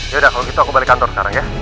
yaudah kalau gitu aku balik kantor sekarang ya